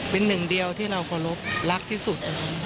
เป็นหนึ่งเดียวที่เราเคารพรักที่สุด